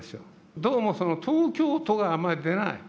どうもその東京都があまり出ない。